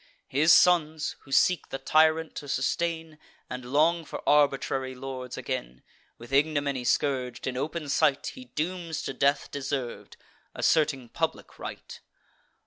His sons, who seek the tyrant to sustain, And long for arbitrary lords again, With ignominy scourg'd, in open sight, He dooms to death deserv'd, asserting public right.